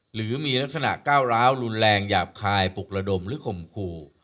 หรือมีลักษณะก้าวร้าวรุนแรงหยาบคายปลุกระดมหรือข่มขู่